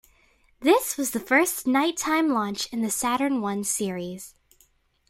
This was the first nighttime launch in the Saturn One series.